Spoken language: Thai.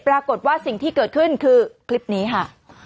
ปรากฏว่าสิ่งที่เกิดขึ้นคือคลิปนี้ค่ะ